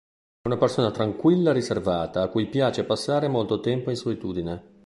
È una persona tranquilla e riservata a cui piace passare molto tempo in solitudine.